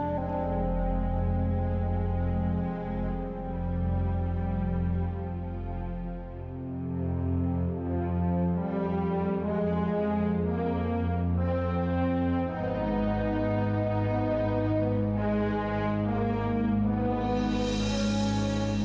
aku belum pernah ke sini